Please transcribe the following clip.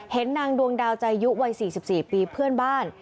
นางดวงดาวใจยุวัย๔๔ปีเพื่อนบ้าน